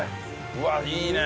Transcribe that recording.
うわっいいね。